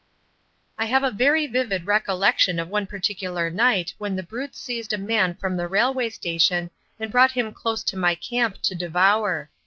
I have a very vivid recollection of one particular night when the brutes seized a man from the railway station and brought him close to my camp to devour.